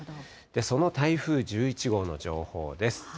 その台風１１号の情報です。